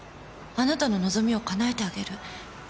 あなたの望みをかなえてあげる。